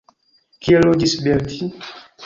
Kie loĝis Belti?